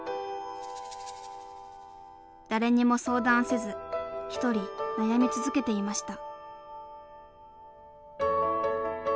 誰にも相談せず一人悩み続けていました。